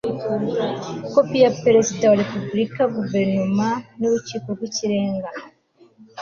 kopi ya perezida wa repubulika ,guverinoma n urukiko rw ikirenga